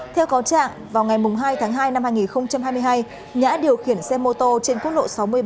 theo cáo trạng vào ngày hai tháng hai năm hai nghìn hai mươi hai nhã điều khiển xe mô tô trên quốc lộ sáu mươi bảy